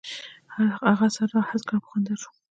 هغه سر را هسک کړ او په خندا شو.